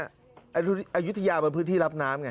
อายุทยาเป็นพื้นที่รับน้ำไง